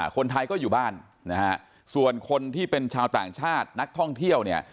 คนไทยก็อยู่บ้านนะฮะส่วนคนที่เป็นชาวต่างชาตินักท่องเที่ยวเนี่ย